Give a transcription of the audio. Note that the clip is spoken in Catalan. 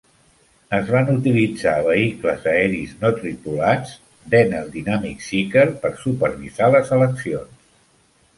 Es van utilitzar vehicles aeris no tripulats Denel Dynamics Seeker per supervisar les eleccions.